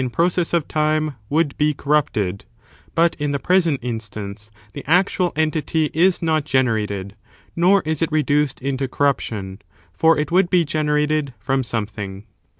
th^ process of time would be corrupted; but in the «nernr than present instance the actual entity is not gene °*P 'y* rated, nor is it reduced into corruption, for it would be generated from something.